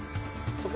そこ。